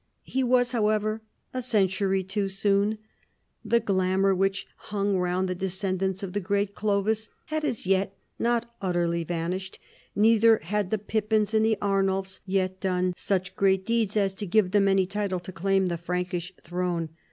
He was, however, a century too soon. The glamour which hung round the descendants of the great Ciovis had as yet not utterly vanished, neither had the Pippins and the Arnulfs 3'et done such great deeds as to give them any title to claim the Prankish throne.